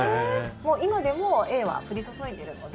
今でもＡは降り注いでいるので。